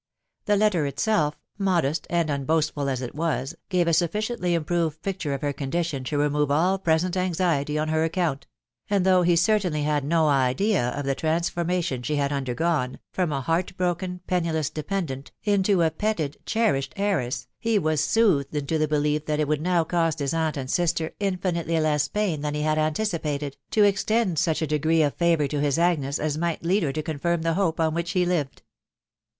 The letter itself, modest and unboastful as it was, gave a sufficiently improved picture of her condition to remove all present anxiety on her account ; and though he certainly had no idea of the transformation she had undergone, from a heart broken, penniless dependent, into a petted, cherished heiress, he was soothed into the belief that it would now cost his aunt and sister infinitely less pain than he had anticipated, to ex tend such a degree of favour to his Agnes as might lead her to confirm the hope on which he lived.